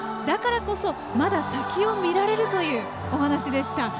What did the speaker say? だからこそまだ先を見られるというお話でした。